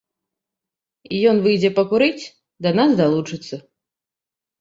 І ён выйдзе пакурыць, да нас далучыцца.